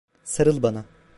Sarıl bana.